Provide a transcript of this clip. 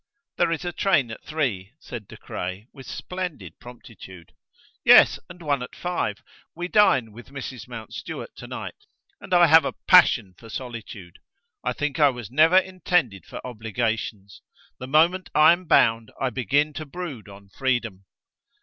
"There is a train at three," said De Craye, with splendid promptitude. "Yes, and one at five. We dine with Mrs. Mountstuart tonight. And I have a passion for solitude! I think I was never intended for obligations. The moment I am bound I begin to brood on freedom."